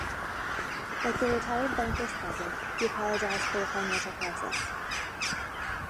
Like the retired bankers present, he apologised for the financial crisis.